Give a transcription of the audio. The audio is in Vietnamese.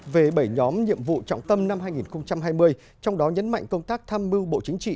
về bảy nhóm nhiệm vụ trọng tâm năm hai nghìn hai mươi trong đó nhấn mạnh công tác tham mưu bộ chính trị